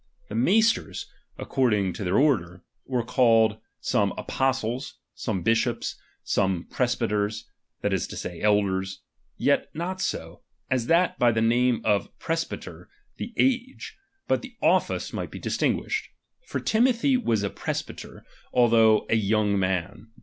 The maisters, accord ing to their order, were called some apostles, some bishops, some presbyters, that is to say, elders ; yet not so, as that by the name of presbyter, the age, but the office might be distinguished. For Timothy was a presbyter, although a young man.